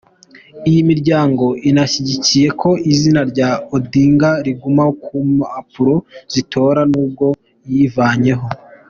Iyi miryango inashyigikye ko izina rya Odinga riguma ku mpapuro z’itora nubwo yivanyemo.